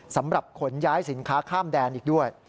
สำหรับขนย้ายสินค้าข้ามแดนอีกด้วย